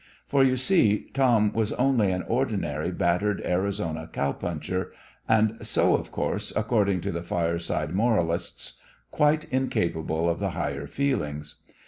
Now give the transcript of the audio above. For, you see, Tom was only an ordinary battered Arizona cow puncher, and so, of course, according to the fireside moralists, quite incapable of the higher feelings.